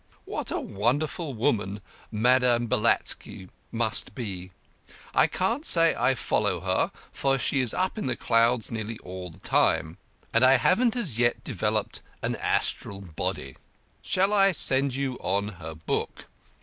What a wonderful woman Madame Blavatsky must be! I can't say I follow her, for she is up in the clouds nearly all the time, and I haven't as yet developed an astral body. Shall I send you on her book?